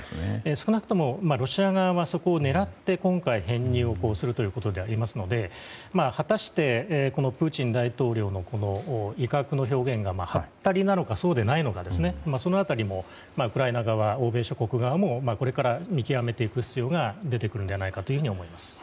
少なくともロシア側はそこを狙って今回編入をするということなので果たして、プーチン大統領のこの威嚇の表現がはったりなのかそうでないのかその辺りもウクライナ側欧米諸国側もこれから見極めていく必要が出てくるのではないかと思います。